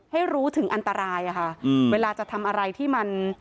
ให้รู้ถึงอันตรายอะค่ะเวลาจะทำอะไรที่มัน